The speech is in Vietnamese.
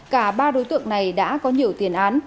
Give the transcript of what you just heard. cả ba đối tượng này đã có nhiều tiền án